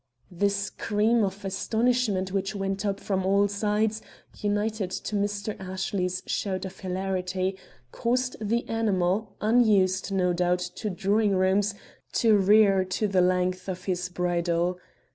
The scream of astonishment which went up from all sides, united to Mr. Ashley's shout of hilarity, caused the animal, unused, no doubt, to drawing rooms, to rear to the length of his bridle.